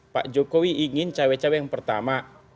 pak jokowi ingin cawai cawai yang pertama